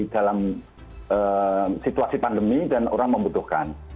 dalam situasi pandemi dan orang membutuhkan